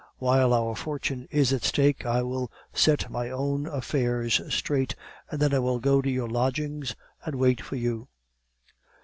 While our fortune is at stake, I will set my own affairs straight, and then I will go to your lodgings and wait for you.